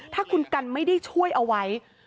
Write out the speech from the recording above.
ถ้าคุณกันไม่ได้ช่วยเอาไว้